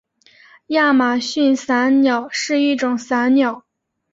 亚马逊伞鸟是一种伞鸟。